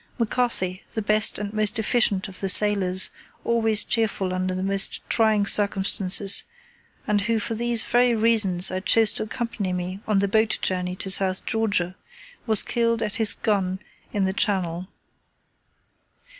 McCarthy, the best and most efficient of the sailors, always cheerful under the most trying circumstances, and who for these very reasons I chose to accompany me on the boat journey to South Georgia, was killed at his gun in the Channel.